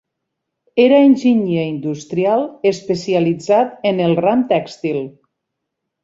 Era enginyer industrial especialitzat en el ram tèxtil.